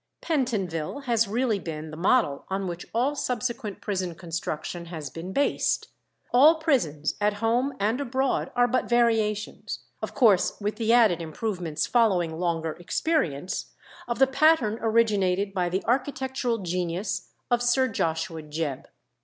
Pentonville has really been the model on which all subsequent prison construction has been based. All prisons at home and abroad are but variations, of course with the added improvements following longer experience, of the pattern originated by the architectural genius of Sir Joshua Jebb.